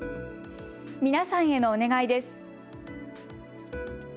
皆さんへのお願いです。